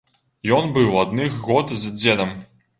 Ён быў адных год з дзедам.